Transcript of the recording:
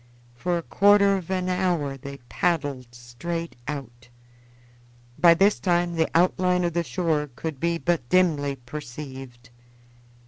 For a quarter of an hour they paddled straight out. By this time the outline of the shore could be but dimly perceived.